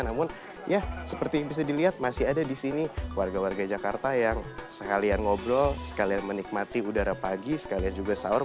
namun ya seperti yang bisa dilihat masih ada di sini warga warga jakarta yang sekalian ngobrol sekalian menikmati udara pagi sekalian juga sahur